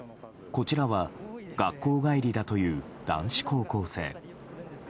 こちらは学校帰りだという男子高校生。